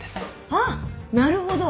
あっなるほど！